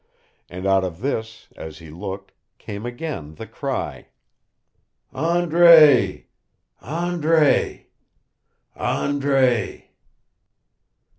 And out of this, as he looked, came again the cry, "Andre Andre Andre!"